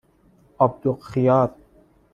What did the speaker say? آبدوغ خیار